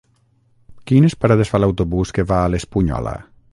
Quines parades fa l'autobús que va a l'Espunyola?